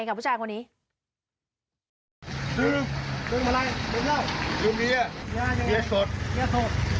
ดื่มดื่มอะไรดื่มเหล้าดื่มเบียร์เบียร์สดเบียร์สด